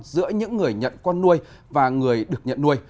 giữa những người nhận con nuôi và người được nhận nuôi